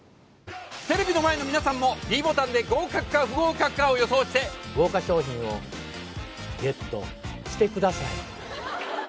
テレビの前の皆さんもｄボタンで合格か不合格かを予想して豪華賞品をＧＥＴしてください